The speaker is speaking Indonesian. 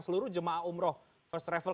seluruh jemaah umroh first travel